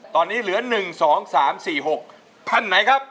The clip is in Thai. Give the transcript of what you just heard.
ตอนนี้เหลือหนึ่งสองสามสี่หกอันใหนครับ